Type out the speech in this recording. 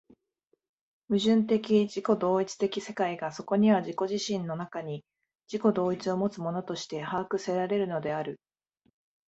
矛盾的自己同一的世界がそこには自己自身の中に自己同一をもつものとして把握せられるのである。